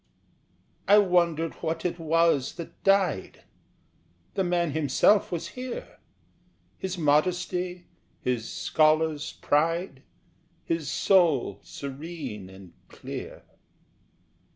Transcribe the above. I wondered what it was that died! The man himself was here, His modesty, his scholar's pride, His soul serene and clear.